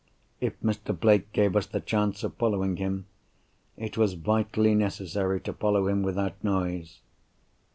If Mr. Blake gave us the chance of following him, it was vitally necessary to follow him without noise.